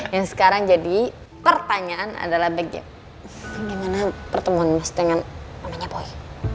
yang sekarang jadi pertanyaan adalah bagaimana pertemuan mas dengan namanya boy